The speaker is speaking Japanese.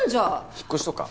引っ越しとか？